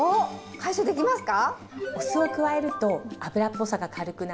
解消できますか？